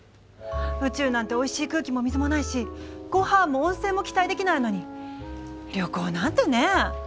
宇宙なんておいしい空気も水もないしごはんも温泉も期待できないのに旅行なんてね。